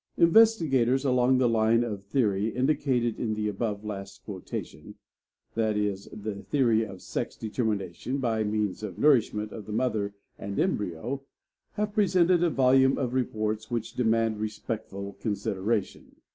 Investigators along the line of theory indicated in the above last quotation, i. e., the theory of sex determination by means of nourishment of the mother and embryo, have presented a volume of reports which demand respectful consideration.